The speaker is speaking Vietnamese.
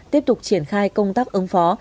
tiếp tục triển khai công tác ứng phó